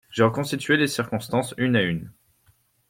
J'ai reconstitué les circonstances une à une.